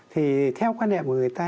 thì theo quan hệ của người ta